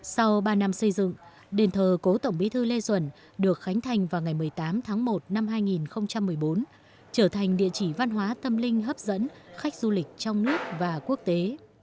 sau ba năm xây dựng đền thờ cố tổng bí thư lê duẩn được khánh thành vào ngày một mươi tám tháng một năm hai nghìn một mươi bốn trở thành địa chỉ văn hóa tâm linh hấp dẫn khách du lịch trong nước và quốc tế